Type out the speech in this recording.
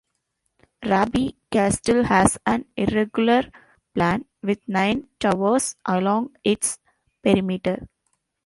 Raby Castle has an irregular plan, with nine towers along its perimeter.